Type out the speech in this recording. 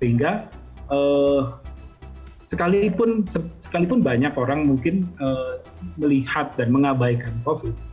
sehingga sekalipun banyak orang mungkin melihat dan mengabaikan covid